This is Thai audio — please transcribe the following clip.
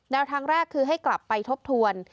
ทางแรกคือให้กลับไปทบทวน